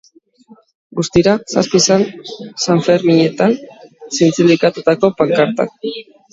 Guztira, zazpi izan sanferminetan zintzilikatutako pankartak.